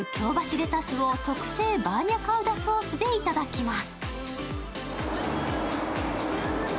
レタスを特製バーニャカウダーソースでいただきます。